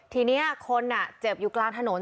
ทีนี้คนเจ็บอยู่กลางถนน